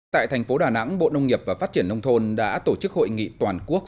tại thành phố đà nẵng bộ nông nghiệp và phát triển nông thôn đã tổ chức hội nghị toàn quốc